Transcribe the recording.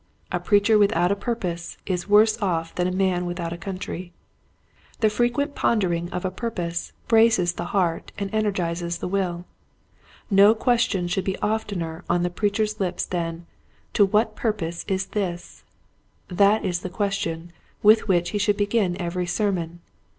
A preacher without a purpose is worse off than a man without a country. The frequent pondering of a purpose braces the heart and energizes the will. No question should be oftener on the preacher's lips than, " To what purpose is this }'' That is the question with which he should begin every sermon.